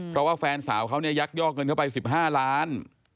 เพราะว่าแฟนสาวเขาเนี่ยยักยอกเงินเข้าไป๑๕ล้าน